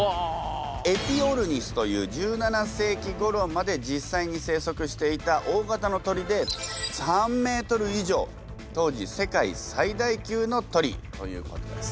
エピオルニスという１７世紀ごろまで実際に生息していた大型の鳥で３ｍ以上当時世界最大級の鳥ということです。